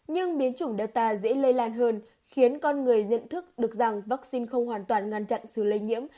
nhưng biến chủng data dễ lây lan hơn khiến con người nhận thức được rằng vaccine không hoàn toàn ngăn chặn sự lây nhiễm